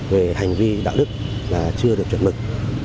về hành vi đạo đức chưa được chuẩn mực